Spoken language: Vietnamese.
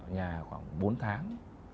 nhà khoảng bốn tháng